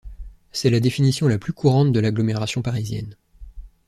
C'est la définition la plus courante de l'agglomération parisienne.